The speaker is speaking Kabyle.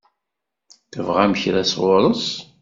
Tebɣam kra sɣur-s?